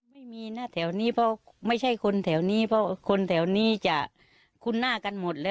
ไม่มีนะแถวนี้เพราะไม่ใช่คนแถวนี้เพราะคนแถวนี้จะคุ้นหน้ากันหมดแล้ว